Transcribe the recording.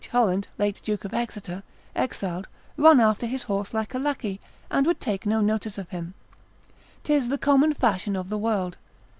Holland, late duke of Exeter, exiled, run after his horse like a lackey, and would take no notice of him: 'tis the common fashion of the world.